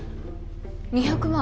２００万